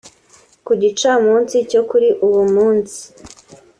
Ku gicamunsi cyo kuri uwo munsi